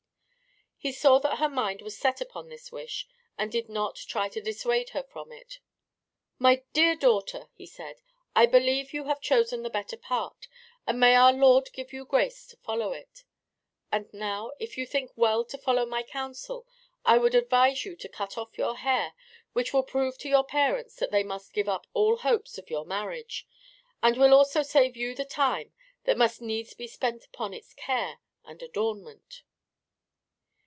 He saw that her mind was set upon this wish, and did not try to dissuade her from it. "My dear daughter," he said, "I believe you have chosen the better part, and may our Lord give you grace to follow it. And now if you think well to follow my counsel, I would advise you to cut off your hair, which will prove to your parents that they must give up all hopes of your marriage, and will also save you the time that must needs be spent upon its care and adornment."